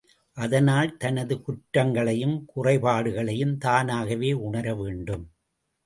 அதனால், தனது குற்றங்களையும், குறைபாடுகளையும், தானாகவே உணர வேண்டும்.